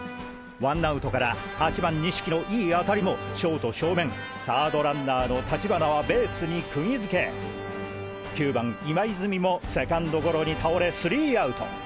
ワンアウトから８番錦のいい当たりもショート正面サードランナーの立花はベースに釘づけ９番今泉もセカンドゴロに倒れスリーアウト。